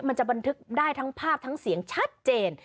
มันจะบันทึกได้ทั้งภาพทั้งเสียงชัดเจน